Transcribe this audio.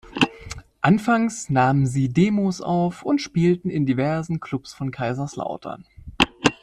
Anfangs nahmen sie Demos auf und spielten in diversen Clubs von Kaiserslautern.